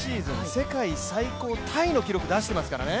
世界最高タイの記録を出していますからね。